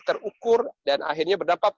terukur dan akhirnya berdampak